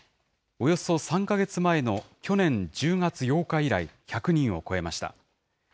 およそ３か月前の去年１０月８日以来、１００人を超えました。